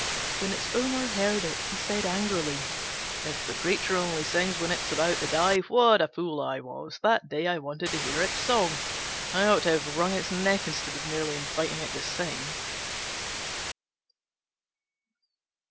When its owner heard it, he said angrily, "If the creature only sings when it is about to die, what a fool I was that day I wanted to hear its song! I ought to have wrung its neck instead of merely inviting it to sing."